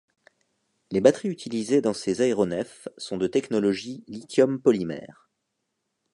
Les batteries utilisées dans ces aéronefs sont de technologie lithium-polymère.